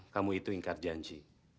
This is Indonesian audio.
kamu itu ingkar janji